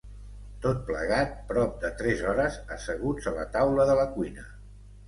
Tot plegat, prop de tres hores asseguts a la taula de la cuina.